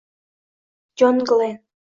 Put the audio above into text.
Jon Glen